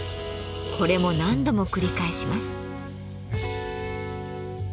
これも何度も繰り返します。